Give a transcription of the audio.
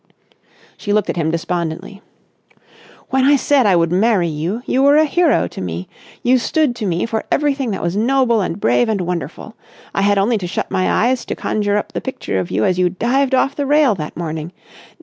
She looked at him despondently. "When I said I would marry you, you were a hero to me. You stood to me for everything that was noble and brave and wonderful. I had only to shut my eyes to conjure up the picture of you as you dived off the rail that morning.